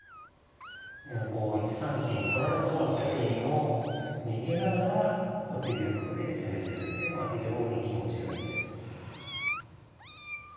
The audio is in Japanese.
こう１三金取られそうだった金を逃げながら後手玉へ攻めてるっていうのは非常に気持ちがいいです。